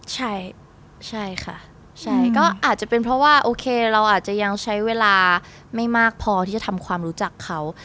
ใช่ค่ะใช่ก็อาจจะเป็นเพราะว่าโอเคเราอาจจะยังใช้เวลาไม่มากพอที่จะทำความรู้จักเขา